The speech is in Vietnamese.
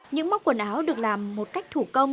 những móc quần áo được làm một cách thủ công